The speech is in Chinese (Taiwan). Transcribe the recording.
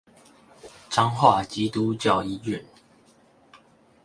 彰化基督教醫院